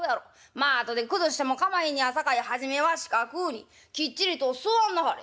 まあ後で崩しても構へんねやさかい初めは四角うにきっちりと座んなはれ。